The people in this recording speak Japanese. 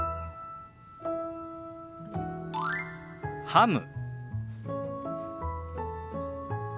「ハム」。